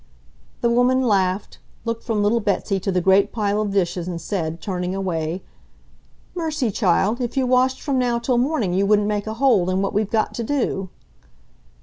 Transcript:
The woman laughed, looked from little Betsy to the great pile of dishes, and said, turning away, "Mercy, child, if you washed from now till morning, you wouldn't make a hole in what we've got to do."